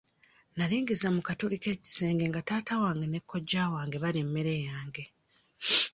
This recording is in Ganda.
Nalingiza mu katuli k'ekisenge nga taata wange ne kojja balya emmere yange.